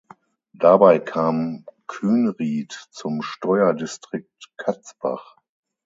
Dabei kam Kühnried zum Steuerdistrikt Katzbach.